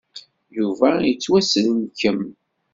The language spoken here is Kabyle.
Yuba yettwasselkem.